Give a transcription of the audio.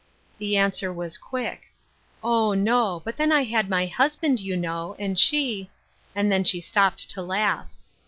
The answer was quick :" Oh, no ; but then I had my husband^ you know ; and she —" And then she stopped to laugh.